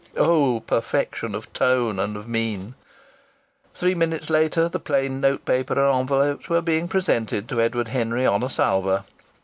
Oh! Perfection of tone and of mien! Three minutes later the plain note paper and envelopes were being presented to Edward Henry on a salver.